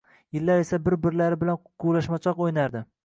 Yillar esa bir-birlari bilan quvlashmachoq o`ynardi